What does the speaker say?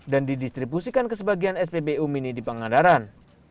dan didistribusikan ke sebagian sppu mini di pangandaran